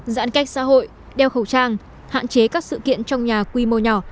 giãn cách xã hội đeo khẩu trang hạn chế các sự kiện trong nhà quy mô nhỏ